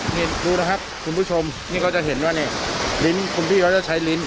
นี่ดูนะครับคุณผู้ชมนี่ก็จะเห็นว่าเนี่ยลิ้นคุณพี่เขาจะใช้ลิ้น